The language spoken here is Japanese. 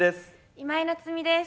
今井菜津美です。